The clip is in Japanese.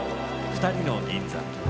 「二人の銀座」。